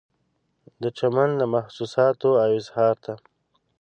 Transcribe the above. د چمن د محسوساتو و اظهار ته